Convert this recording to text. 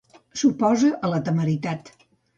S'oposa a la temeritat.